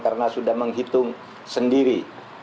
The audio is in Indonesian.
karena sudah menghitung sendiri